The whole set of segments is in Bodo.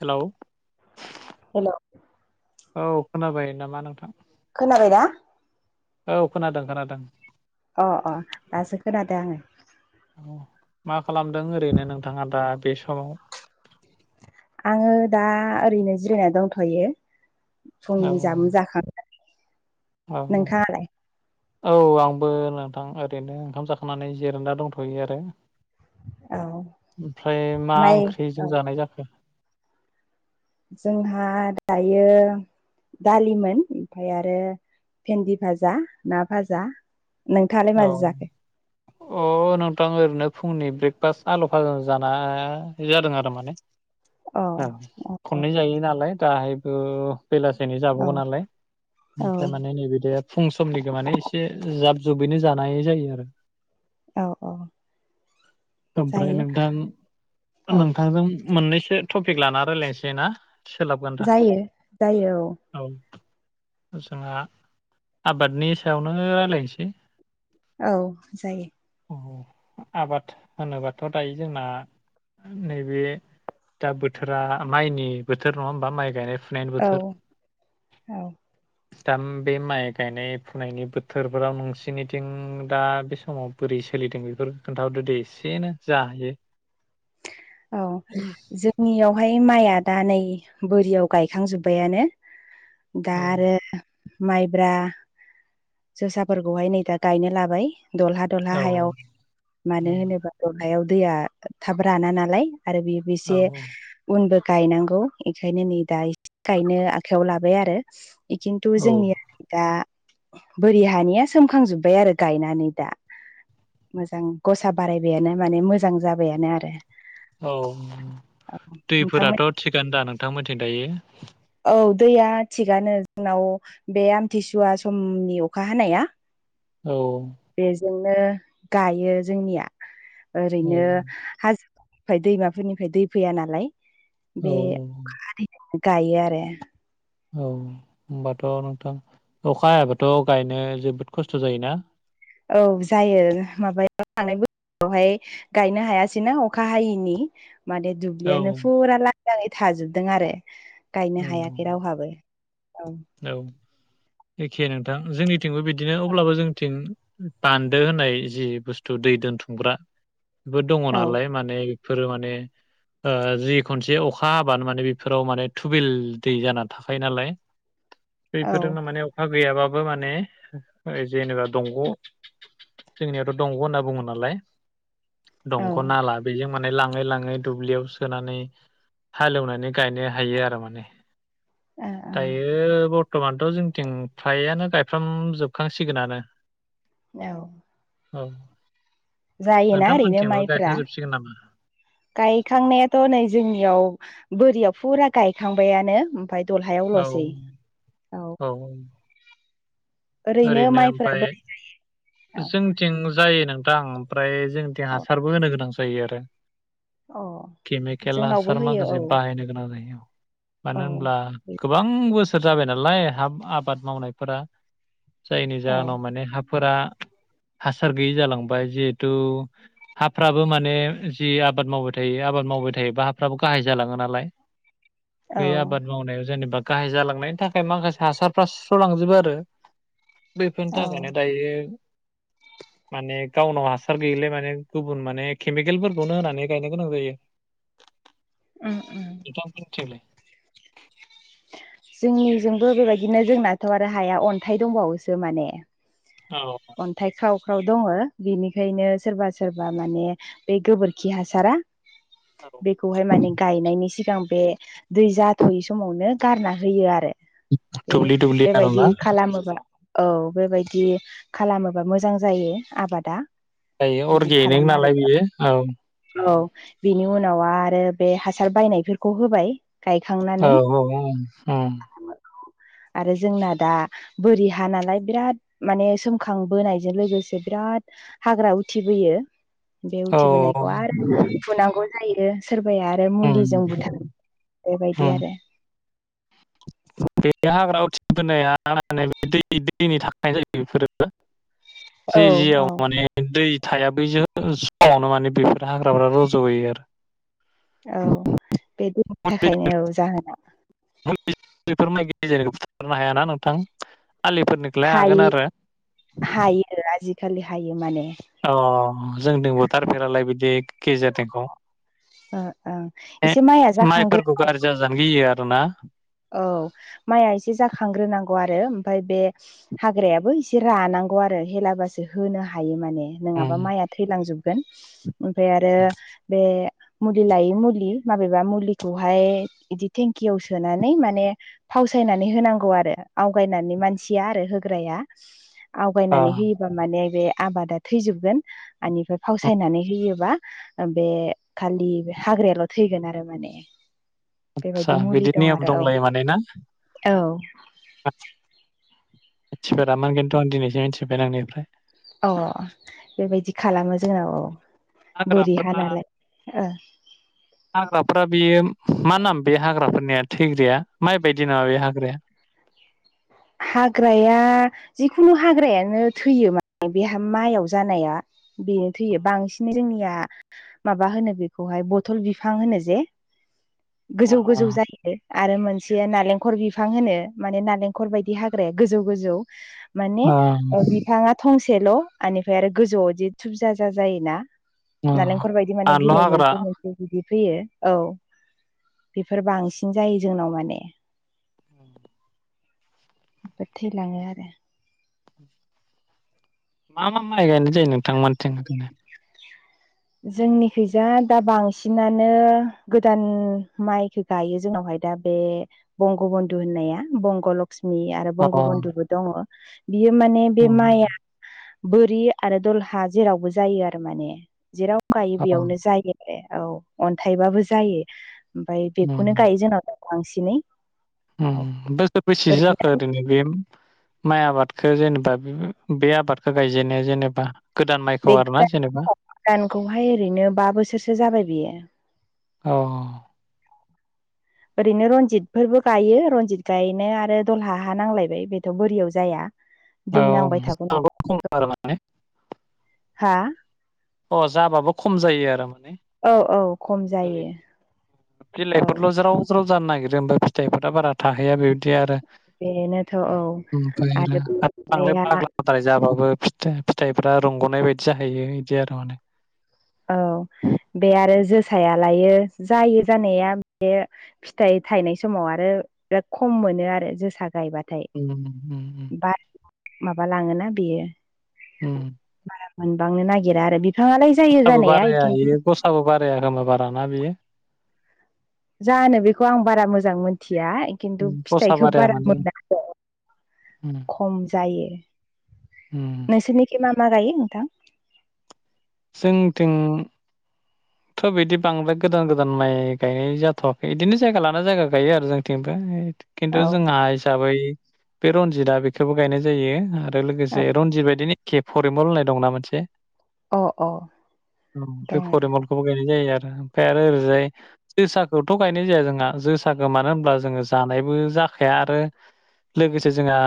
हेलौ। हेल'। औ खोनाबाय नामा नोंथां? खोनाबाय ना? औ खोनादों खोनादों। अ अ दासो खोनादों आङो। औ मा खालामदों ओरैनो नोंथाङा दा बे समाव? आङो दा ओरैनो जिरायना दंथ'यो फुंनि जामुं जाखां अ अ। नोंथाङालाय औ आंबो नोंथां ओरैनो ओंखाम जाखांनानै जिरायना दंथ'यो आरो। औ ओमफ्राय मा माइ ओंख्रिजों औ जानाय जाखो? जोंहा दायो दालिमोन ओमफ्राय आरो भेन्दि भाजा ना भाजा। नोंथाङालाय अ। माजों जाखो अ नोंथां ओरैनो फुंनि ब्रेकफास्ट आलु फाजा जानाय जादों आरो माने। अ ओ अ अ खननै जायो नालाय दाहायबो बेलासेनि औ जाबाववो नालाय औ ओमफ्राय माने नैबे दे फुं समनिखौ माने एसे जाब जुबैनो जानाय जायो आरो। औ औ ओमफ्राय जायो नोंथां औ नोंथांजों मोननैसो टपिक लाना रायलायसै ना सोलाबगोन दा जायो जायो औ जोंहा आबादनि सायावनो रायलायनोसै औ जायो आबाद होनोबाथ' दायो जोंना नैबे दा बोथोरा माइनि बोथोर नङा होमबा माइ गायनाय। फुनायनि औ बोथोर औ दाम बे माइ गायनाय फुनायनि बोथोरफोराव नों निथिं दा बे समाव बोरै सोलिदों बेफोर खोन्थाहरदो दे एसेनो जा हायो। [inaudible] औ जोंनियावहाय माइआ दा नै बोरियाव गायखांजोब्बायानो। दा औ आरो माइब्रा जोसाफोरखौहाय नै दा गायनो लाबाय दहला दलहा औ हायाव मानो होनोबा दलहायाव दैया थाब राना नालाय आरो बे बे औ एसे उनबो गायनांगौ बेखायनो नै दा ए गायनो आखायाव लाबाय आरो। बेथिंथ औ जोंनि दा बोरि हानिया सोमखांजोब्बाय आरो गायनानै दा। मोजां गसा बारायबायानो माने मोजां जाबायानो आरो। औ औ दैफोराथ' नोंथांमोन थिगानो दा नोंथांमोनथिं दायो औ दैया थिगानो जोंनाव। बे आमथिसुवा समनि अखा हानाया औ बेजोंनो गायो जोंनिया औ ओरैनो हाजोफोरनिफ्राय दैमाफोरनिफ्राय दै फैया नालाय औ बे अखा हानायजों गायो आरो। [unintelligible] औ होमबाथ' नोंथां अखा हायाबाथ' गायनो जोबोद खस्थ' जायोना। औ जायो माबायाव थांनाय बोसोरावहाय गायनो हायासैना अखा हायैनि माने औ दुब्लियानो फुरा लांदाङै थाजोबदों आरो गायनो हायाखै रावहाबो। औ औ एखे नोंथां जोंनिथिंबो बिदिनो अब्लाबो जोंनिथिं बान्दो होननाय जि बुस्थु दै दोनथुमग्रा बेफोर दङ औ नालाय माने बेफोरो माने ओ जि खनसे अखा हाबानो माने बेफोराव माने थुबिल दै जाना थाखायो नालाय। बेफोरजोंनो औ माने अखा गैयाबाबो माने जेनेबा दंग' जोंनियावथ' दंग' होनना बुङो नालाय ओ दंग' नाला बेजों माने लाङै लाङै दुब्लियाव सोनानै हालेवनानै गायनो हायो आरो माने। ओ ओ बे बर्थ'मानथ' जोंथिं फ्रायानो गायफ्राम जोबखांसिगोनानो। औ औ जायोना ओरैनो नोंथांमोनथिबो माइफ्रा गायखां जोबसिगोन नामा? गायखांनायाथ' नै जोंनियाव बोरियाव फुरा गायखांबायानो। ओमफ्राय दल हायाव औ औ ओरैनो माइफोरा ओमफ्राय बोरै जोंनिथिं जायो नोंथां ओमफ्राय जोंनिथिं औ अ हासारबो होनो गोनां जायो आरो। अ केमिकेल जोंनावबो हासार होयो औ माखासे बाहायनो गोनां जायो। औ मानो होनब्ला गोबां बोसोर जाबाय नालाय हा आबाद मावनायफोरा। जायनि जाहोनाव औ माने हाफोरा हासार गैयि जालांबाय जिहेथु हाफ्राबो माने जि आबाद मावबाय थायो आबाद मावबाय थायोबा हाफ्राबो गाहाय जालाङो नालाय। औ बेै आबाद मावनायाव जेनेबा गाहाय जालांनायनि थाखाय माखासे हासारफ्रा सुस्रालांजोबो आरो। बैफोरनि औ थाखायनो दायो माने गावनाव हासार गैयिलाय माने गुबुन माने केमिकेलफोरखौनो होनानै गायनो गोनां जायो। [inaudible] उम [unintelligible] जोंनि ओजोंबो बेबायदिनो जोंनाथ' आरो हाया अन्थाइ दंबावोसो माने। औ अन्थाइ ख्राव ख्राव दङो बेनिखायनो सोरबा सोरबा माने बे गोबोरखि हासारा बे औ बेखौहाय माने गायनायनि सिगां बे दै जाथ'यै समावनो गारना होयो आरो। बे दुब्लि दुब्लि बेबायदि आरोना खालामोबा औ बेबायदि खालामोबा मोजां जायो आबादा। जायो बिदि अर्गेनिक खालामो आरो नालाय औ बेयो औ। औ बिनि उनाव आरो बे हासार बायनायफोरखौ होबाय। औ गायखांनानै औ आरो जोंना दा बोरि हा नालाय बिराद माने सोम खां बोनायजों लोगोसे बिराद हाग्रा उथिबोयो। बे औ उथिबोनायखौ आरो फुनांगौ जायो सोरबाया बे उम मुलिजों बुथार बेबायदि उम आरो बे हाग्रा [unintelligible] दैनि थाखनाय जायो बेफोरो। औ जि जिआव औ माने दै थाया बैजों समावनो माने बेफोर हाग्राफ्रा रज'यो आरो औ बे दैनि थाखायनो औ जाहोना [unintelligible] हायाना नोंथां आलिफोरनि हायो हायो आजिखालि हायो माने अ जों दबोथारफेरालाय बिदिक गेजेरनिखौ ओ ओं ए एसे माइया माइफोर जाखांग्रोनांगौ गारजि जाजानो गैयो आरोना। औ माइआ एसे जाखांग्रोनांगौ आरो ओमफ्राय बे हाग्रायाबो एसे रानांगौ आरो हेलाबासो होनो हायो माने अ नङाबा माया थैलांजोबगोन ओमफ्राय आरो बे मुलि लायै मुलि माबेबा मुलिखौहाय बिदि थेंकियाव सोनानै माने फावसायनानै होनांगौ आरो आवगायनानै मानसिया आरो होग्राया। आवगायनानै होयोबा माने बे आबादा थैजोबगोन ओनिफ्राय फावसायनानै होयोबा बे खालि हाग्रायाल' थैगोन आरो माने आदसा बेबायदि मुलि बिदि दं आरो नियम दंलायो माने ना औ थिफेरामोन खिन्थु आं दिनै मिथिबाय नोंनिफ्राय अ बेबायदि खालामो जोंना अ हाग्राफोरना हाग्राफोरा बेयो मा नाम बे हाग्राफोरनिया थैग्राया माइ बायदि नामा बे हाग्राया हाग्राया जिखुनु हाग्रायानो थैयो माने बेहा माइआव जानाया बेनो थैयो बांसिनै जोंनिया माबा होनो बेखौहाय बथल बिफां होनो जे गोजौ गोजौ अ जायो आरो मोनसेया नालेंखर बिफां होनो माने नालेंखर बायदि हाग्राया गोजौ गोजौ माने अ ओ बिफाङा थंसेल' ओनिफ्राय आरो गोजौआव बिदि थुब जाजा जायोना अ नालेंखलर बायदि माने बानलु बिलाइ हाग्रा मोनसे मोनसे बिदि फैयो औ बेफोर बांसिन जायो जोंनाव माने बेबो थैलाङो आरो। मा मा माइ गायनाय जायो नोंथांमोनथिं जोंनिखैजा दा बांसिनानो गोदान माइखो गायो जोंनावहाय दा बे बंग बन्धु होननाया बंग' लक्ष्मि आरो अ बंग बधुबो दङ बियो माने बे उम माइआ बोरि आरो दलहा जेरावबो जायो आरो माने जेराव गायो अ उम बेयावनो जायो। ए औ अन्थाइबाबो जायो ओमफाय बेखौनो गायो जोंनाव दा बांसिनै। उम औ बोसोर बैसेसो जाखो ओरैनो बे? माइ आबादखो जेनेबा बे आबादखौ गायजेनो जेनेबा गोदान माइखौ बे आरोना गोदान जेनेबा गोदानखौहाय ओरैनो बा बोसोरसो जाबाय बेयो औ ओरैनो रनजितफोरबो गायो रनजित गायनो आरो दलहा हा नांलायबाय बेथ' बोरियाव जाया औ दै नांबाय थागौ [unintelligible] नालाय खम आरो मा हा अ जाबाबो खम जायो आरो माने औ औ खम जायो। औ गायफोरल' जेराव [inaudible] पट्रल जानो नागिरो ओमफाय फिथाइफोरा बारा थाहैया बिबायदि आरो। बेनोथ' औ आरो द्राय जाबाबो फिथाइ फिथाइफ्रा रंग'नाय बायदि जाहैयो इदि आरो माने। औ बे आरो जोसायालायो जायो जानाया बे फिथाइ थायनाय समाव आरो बिराद खम मोनो आरो जोसा गायबाथाय। उम। उम उम। बारजों माबा लाङोना बेयो। उम। बारा मोनबांनो नागिरा आरो बिफाङालाय जायो फेंखाबो जानाया बाराया खिन्थु इयो गसाबो बाराया खोमा बाराना बेयो जानो बेखौ आं बारा मोजां मोनथियाय खिन्थु उम गसा फिथाइखौ बाराया बारा माने मोना र' उम खम जायो। उम। थिं मा मा गायो नोंथां। जोंथिं थ' बिदि बांद्राय गोदान गोदान माइ गायनाय जाथ'वाखै इदिनो जायगा लाना जायगा गायो आरो जोंथिं खिन्थु औ जोंहा हिसाबै बे रनजितआ बेखौबो गायनाय जायो आरो। आरो लोगोसे रनजित बायदिनि एखे फरिमल होननाय दंना मोनसे औ अ अ औ बे दङ फरिमलखौबो गायनाय जायो आरो ओमफ्राय आरो ओरैजाय जोसाखौथ' गायनाय जाया जोंहा जोसाखौ मानो होनब्ला जोङो जानायबो जाखाया आरो। लोगोसे जोंहा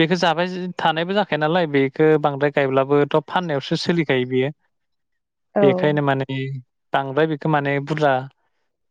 बेखो जाबाय थानायबो जाखाया नालाय बेखौ बांद्राय गायब्लाबोथ' फाननायावसो सोलिखायो बियो। औ बेखायनो माने बांद्राय बेखौ माने बुरजा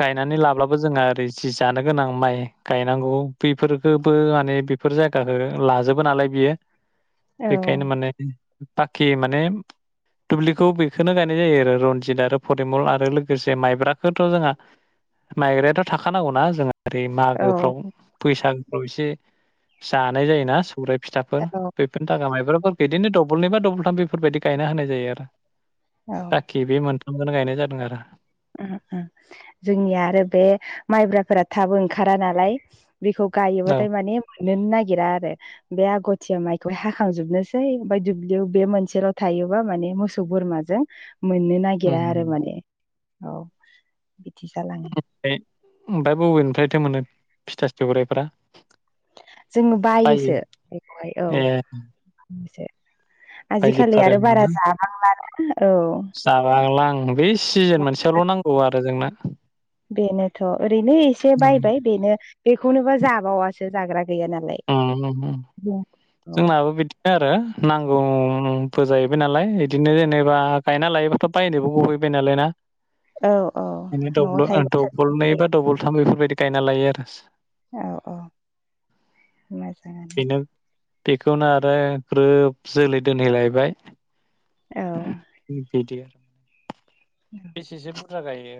गायनानै लाब्लाबो जोंहा ओरै जि जानो गोनां माइ गायनांगौ बेफोरखोबो माने बेफोर जायगाखो लाजोबो नालाय बियो औ बेखायनो माने बाखि माने दुब्लिखौ बेखौनो गायनाय जायो आरो रनजित। रनजिदआरो फरिमल आरो लोगोसे माइब्राखौथ' जोंहा माइब्रायाथ' थाखानांगौना जों ओरै औ मागोफ्राव बैसागोफ्राव एसे जानाय जायोना। ओमफ्राय फिथाफोर औ बेफोरनि थाखाय माइब्राफोर बिदिनो दबलनै बा दबलथाम बेफोरबायदि गायना होनाय जायो आरो औ बाखि बे मोनसे खौनो गायनाय जादों आरो। उन उम जोंनिया आरो बे माइब्राफोरा थाब ओंखारा नालाय। बेखौ औ गायोबाथाय माने फुनोनो नागिरा आरो। बे आगथिया माइखौहाय हाखांजोबनोसै ओमफ्राय दुब्लियाव बे मोनसेल' थायोबा माने मो सौ बोरमाजों मोननो नागिरा आरो ओमफ्राय माने औ बिदि जालाङो। [unintelligible] ओमफाय बबेनिफ्रायथो मोनो फिथा सौराइफ्रा? जोङो बायोसो बेखौहाय औ ए [unintelligible] आजिखालि बायजोबथारो आरो बारा जाबांलानो औ। जाबांलां आं बे सिजेन मोनसेयावल' नांगौ आरो जोंनो। बेनोथ' ओरैनो इसे उम बायबाय बेनो बेखौनोबा जाबावासो जाग्रा गैया नालाय। उम उम औ जोंनाबो बिदि बिदिनोआरो नांगौबो जाहैबाय नालाय इदिनो जेनेबा गायना लायोबाथ' बायनोबो गहैबाय नालाय ना। औ औ न'आव थायोबाथाय दबलनै बा दबलथाम बेफोरबायदि गायना लायो आरो। औ औ। मोजाङानो बेनो बेखौनो आरो ग्रोब जोलै दोनहैलायबाय। औ ओ बेदि [unintelligible] सेसो बुरजा गायो?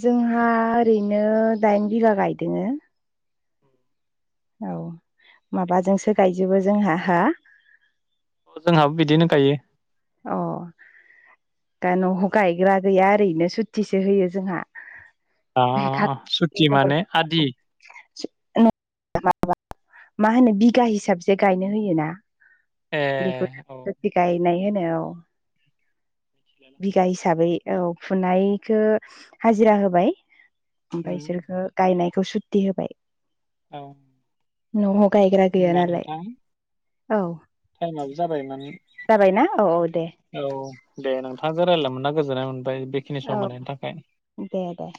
जोंहा ओरैनो दाइन बिगा गायदोंङो। औ एखे माबाजोंसो गायजोबो जोंहा हा। औ जोंहाबो बिदिनो गायो। अ दा नआव गायग्रा गैया ओरैनो सुथिसो होयो जोंहा। दा बे आ सुटि माने आदि? [unintelligible] मा होनो बिगा हिसाबसो गायनो होयो ना? ए बेखौ औ सुटि गायनाय होनो औ। मिथिलायलाङा बिगा हिसाबै औ फुनायखौ हाजिरा होबाय। ओमफ्राय उम इसोरखौ गायनायखौ सुति होबाय। औ नआव गायग्रा गैया होमबा नालाय नोंथां औ। टाइमाबो जाबाय माने। जाबाय ना औ औ दे। औ दे नोंथांजों रायलायनो मोनना गोजोननाय मोनबाय बेखिनि सम मोननायनि थाखाय। दे दे।